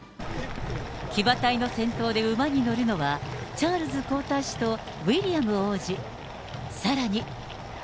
騎馬隊の先頭で馬に乗るのは、チャールズ皇太子とウィリアム王子。